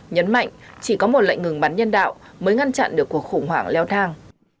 nhấn mạnh chỉ có một lệnh ngừng bắn nhân đạo mới ngăn chặn được cuộc khủng hoảng leo thang